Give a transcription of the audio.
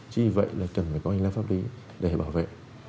chỉ vậy là cần phải có hành lãm pháp lý để bảo vệ